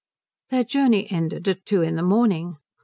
Their journey ended at two in the morning.